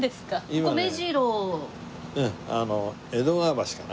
今ね江戸川橋かな。